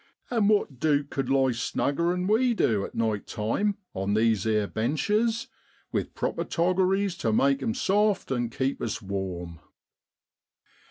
An' what duke cud lie snugger 'an we do at night time on these ere benches, with proper toggeries to make 'em soft an' keep us warm